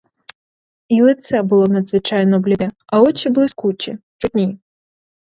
І лице було надзвичайно бліде, а очі блискучі, чудні.